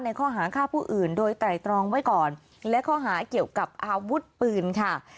ข้อหาฆ่าผู้อื่นโดยไตรตรองไว้ก่อนและข้อหาเกี่ยวกับอาวุธปืนค่ะ